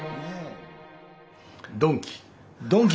ドンキ。